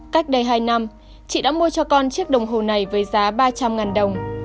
cách đây hai năm chị đã mua cho con chiếc đồng hồ này với giá ba trăm linh đồng